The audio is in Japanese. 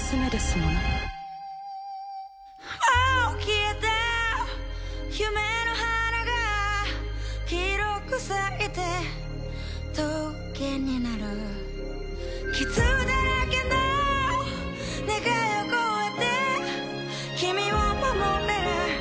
もう消えた夢の花が黄色く咲いて棘になる傷だらけの願いを超えて君を守れる？